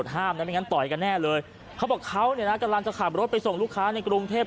ห้ามนะไม่งั้นต่อยกันแน่เลยเขาบอกเขาเนี่ยนะกำลังจะขับรถไปส่งลูกค้าในกรุงเทพ